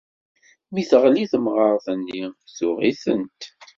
Mi teɣli temɣart-nni, tuɣ-itent.